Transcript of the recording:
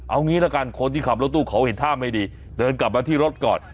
เอางี้ละกันคนที่ขับรถตู้เขาเห็นท่าไม่ดีเดินกลับมาที่รถก่อน